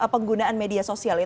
penggunaan media sosial